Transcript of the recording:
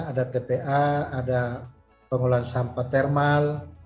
ada tpa ada pengolahan sampah thermal